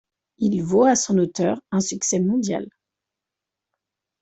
Il vaut à son auteur un succès mondial.